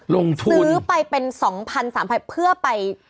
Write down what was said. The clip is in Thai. ลงทุนซื้อไปเป็น๒๐๐๐๓๐๐๐เพื่อไป